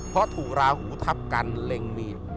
เพราะถูกราหูทับกันเล็งมีด